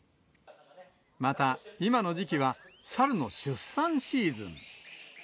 また、今の時期は猿の出産シーズン。